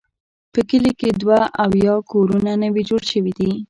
په کلي کې دوه اویا کورونه نوي جوړ شوي دي.